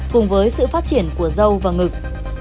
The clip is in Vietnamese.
cùng với sự phát triển của dâu và ngực